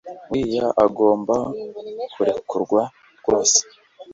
uriya agomba kurekurwa kwose